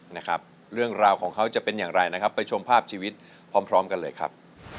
นะครับเรื่องราวของเขาจะเป็นอย่างไรนะครับไปชมภาพชีวิตพร้อมกันเลยครับ